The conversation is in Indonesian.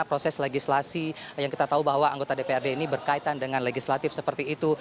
proses legislasi yang kita tahu bahwa anggota dprd ini berkaitan dengan legislatif seperti itu